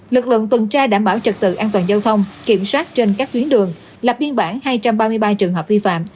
lực lượng tuần tra đảm bảo trật tự an toàn giao thông kiểm soát trên các tuyến đường lập biên bản hai trăm ba mươi ba trường hợp vi phạm